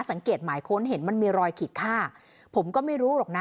สังเกตหมายค้นเห็นมันมีรอยขีดฆ่าผมก็ไม่รู้หรอกนะ